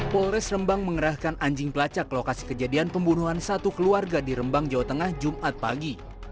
polres rembang mengerahkan anjing pelacak lokasi kejadian pembunuhan satu keluarga di rembang jawa tengah jumat pagi